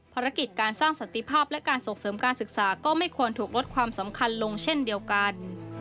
ภารกิจการสร้างสันติภาพและการส่งเสริมการศึกษาก็ไม่ควรถูกลดความสำคัญลงเช่นเดียวกัน